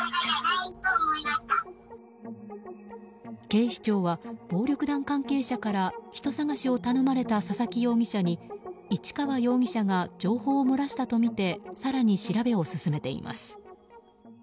警視庁は、暴力団関係者から人捜しを頼まれた佐々木容疑者に市川容疑者が情報を漏らしたとみて更に調べを進めています。